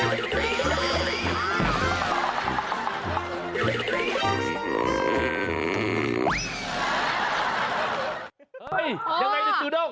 เฮ้ยยังไงดูด้ม